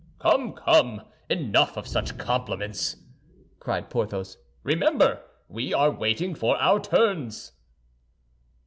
"Come, come, enough of such compliments!" cried Porthos. "Remember, we are waiting for our turns."